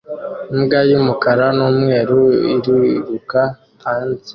Imbwa yumukara numweru iriruka hanze